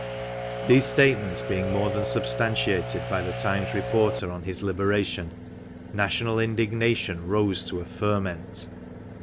These statements being more than substantiated by the Times reporter on his liberation, national indignation rose to a ferment.